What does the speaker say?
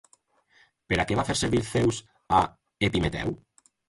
Per a què va fer servir Zeus a Epimeteu?